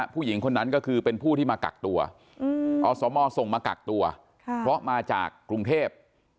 ผู้หญิงคนนั้นก็คือเป็นผู้ที่มากักตัวอสมส่งมากักตัวเพราะมาจากกรุงเทพ